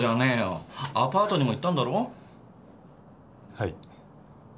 はい。